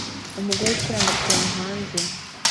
Umugore ucuranga piyano hanze